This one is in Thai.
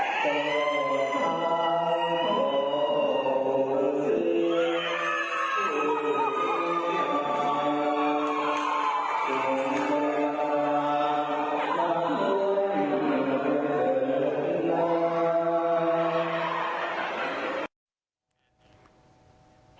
จึงจะรักล้ามลุยเหมือนเวลา